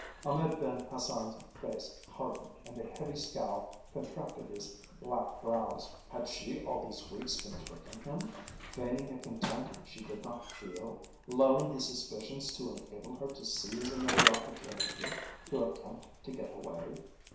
Ahmed Ben Hassan's face hardened and the heavy scowl contracted his black brows. Had she all these weeks been tricking him feigning a content she did not feel, lulling his suspicions to enable her to seize another opportunity to attempt to get away?